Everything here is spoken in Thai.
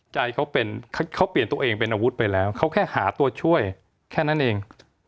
ใจเขาเป็นเขาเปลี่ยนตัวเองเป็นอาวุธไปแล้วเขาแค่หาตัวช่วยแค่นั้นเอง